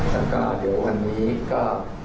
แล้วก็เดี๋ยววันนี้ก็